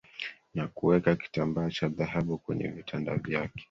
na kuweka kitambaa cha dhahabu kwenye vitanda vyake